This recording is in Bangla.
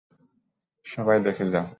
সবাই দেখে যাও।